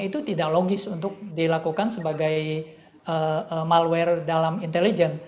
itu tidak logis untuk dilakukan sebagai malware dalam intelijen